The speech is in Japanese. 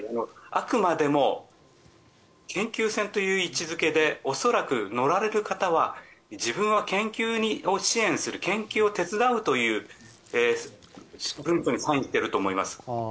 あくまでも研究船という位置付けで恐らく、乗られる方は自分は研究を支援する研究を手伝うという文書にサインしてると思います。